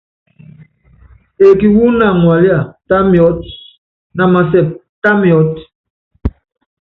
Eeki wú aŋualía, tá miɔ́t, na masɛp, ta miɔ́t.